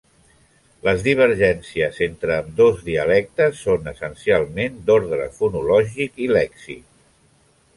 Les divergències entre ambdós dialectes són essencialment d'ordre fonològic i lèxic.